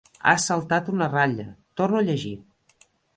Has saltat una ratlla: torna-ho a llegir.